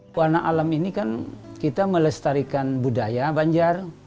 pewarna alam ini kan kita melestarikan budaya banjar